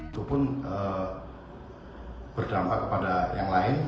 itu pun berdampak kepada yang lain